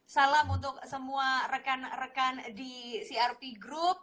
salam untuk semua rekan rekan di crp group